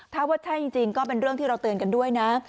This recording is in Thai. ถ้าว่าใช่จริงก็เป็นเรื่องที่เราเตือนกันด้วยนะ